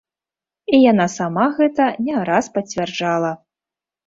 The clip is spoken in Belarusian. І яна сама гэта не раз пацвярджала.